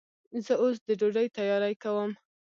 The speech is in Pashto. زه اوس د ډوډۍ تیاری کوم.